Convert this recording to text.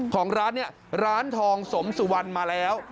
ของร้านเนี่ยร้านทองสมสุวรรณมาแล้ว